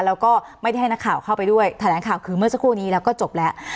แล้วก็ไม่ได้ให้นักข่าวเข้าไปด้วยแถลงข่าวคือเมื่อสักครู่นี้แล้วก็จบแล้ว